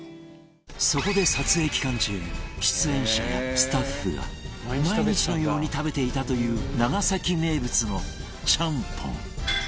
そこで撮影期間中出演者やスタッフが毎日のように食べていたという長崎名物のちゃんぽん